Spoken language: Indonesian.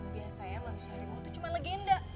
biasanya manusia harimau itu cuma legenda